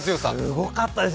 すごかったです。